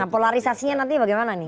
polarisasinya nanti bagaimana nih